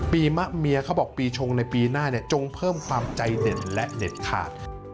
มะเมียเขาบอกปีชงในปีหน้าจงเพิ่มความใจเด่นและเด็ดขาด